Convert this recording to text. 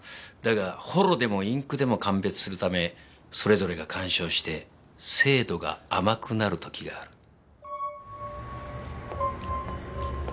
だがホロでもインクでも鑑別するためそれぞれが干渉して精度が甘くなる時がある。